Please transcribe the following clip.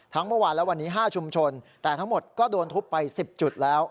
เมื่อวานและวันนี้๕ชุมชนแต่ทั้งหมดก็โดนทุบไป๑๐จุดแล้ว